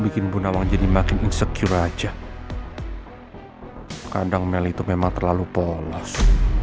kadang mel itu memang terlalu polos